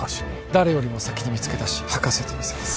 誰よりも先に見つけ出し吐かせてみせます